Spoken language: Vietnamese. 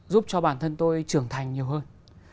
giúp cho bản thân tôi trưởng thành nhiều hơn